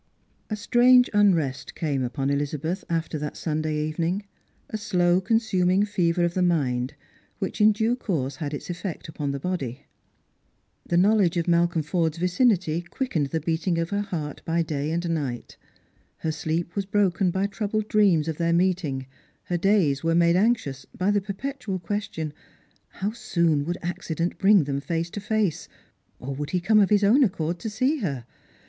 A STUANGE unrest came Tipon Elizabeth after that Sunday evening, a slow consuming fever of the mind, which in due course had its effect upon the body. The knowledge of Malcolm Forde's vicinity quickened the beating of her heart by day and jiight. Her sleep was broken by troubled dreams of their meet ing; her days were made anxious by the perpetual question, How soon would accident bring them face to face ? Or would he come of his own accord to see her